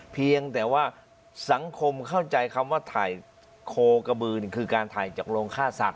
เพียงแต่ว่าสังคมเข้าใจคำว่าถ่ายโคกระบือคือการถ่ายจากโรงฆ่าสัต